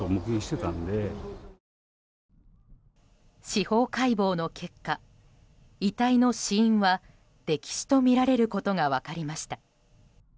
司法解剖の結果遺体の死因は溺死とみられることが分かりました。